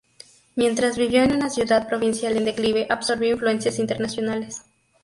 Mientras vivió en una ciudad provincial en declive, absorbió influencias internacionales.